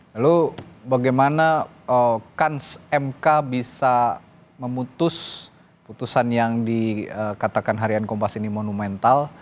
lalu bagaimana kans mk bisa memutus putusan yang dikatakan harian kompas ini monumental